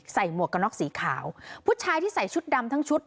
หมวกกระน็อกสีขาวผู้ชายที่ใส่ชุดดำทั้งชุด